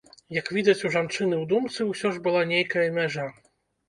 Як відаць, у жанчыны ў думцы ўсё ж была нейкая мяжа.